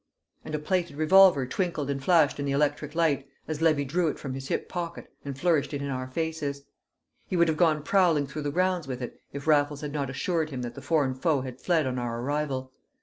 And a plated revolver twinkled and flashed in the electric light as Levy drew it from his hip pocket and flourished it in our faces; he would have gone prowling through the grounds with it if Raffles had not assured him that the foreign foe had fled on our arrival.